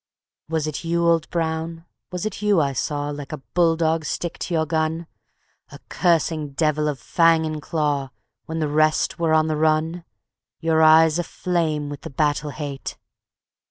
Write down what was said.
_"Was it you, old Brown, was it you I saw Like a bull dog stick to your gun, A cursing devil of fang and claw When the rest were on the run? Your eyes aflame with the battle hate.